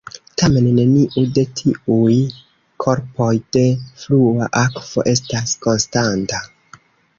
Tamen neniu de tiuj korpoj de flua akvo estas konstanta.